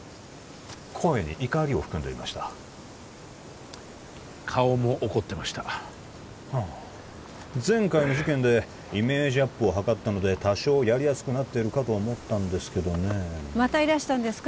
声に怒りを含んでいました顔も怒ってましたはあ前回の事件でイメージアップを図ったので多少やりやすくなってるかと思ったんですけどねまたいらしたんですか？